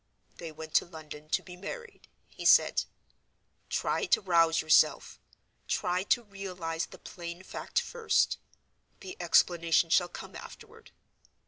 "They went to London to be married," he said. "Try to rouse yourself: try to realize the plain fact first: the explanation shall come afterward.